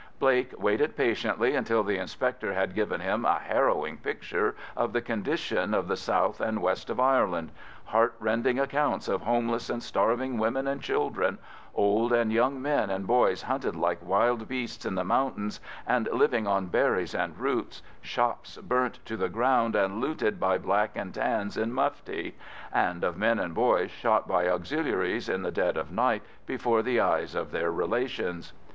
Blake waited patiently until the inspector had given him a harrowing picture of the condition of the south and west of Ireland: heartrending accounts of homeless and starving women and children, old and young men and boys hunted like wild beasts in the mountains and living on berries and roots; shops burnt to the ground and looted by Black and Tans in mufti; and of men and boys shot by Auxiliaries in the dead of night before the eyes of their relations.